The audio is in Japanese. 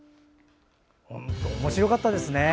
本当におもしろかったです。